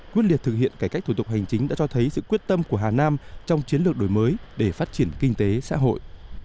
quyết liệt thực hiện cải cách thủ tục hành chính đã cho thấy sự quyết tâm của hà nam trong chiến lược đổi mới để phát triển kinh tế xã hội